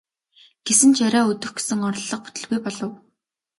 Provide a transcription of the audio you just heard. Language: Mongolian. Гэсэн ч яриа өдөх гэсэн оролдлого бүтэлгүй болов.